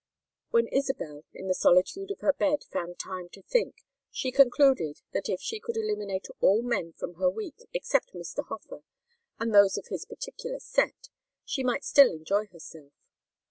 When Isabel, in the solitude of her bed, found time to think, she concluded that if she could eliminate all men from her week except Mr. Hofer and those of his particular set, she might still enjoy herself.